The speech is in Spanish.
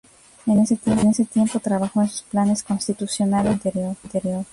En este tiempo trabajó en sus planes constitucionales del año anterior.